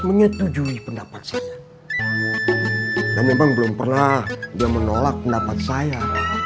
menyetujui pendapat saya dan memang belum pernah dia menolak pendapat saya